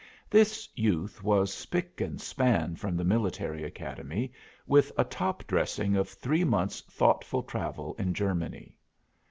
This youth was spic and span from the Military Academy, with a top dressing of three months' thoughtful travel in Germany.